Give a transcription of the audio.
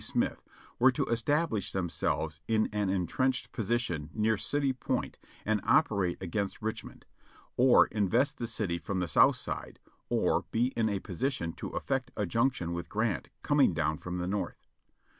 Smith, were to establish themselves in an entrenched position near City Point and operate against Rich mond, or invest the city from the south side, or be in a position to effect a junction with Grant coming down from the north.